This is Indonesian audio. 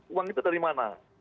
uang itu dari mana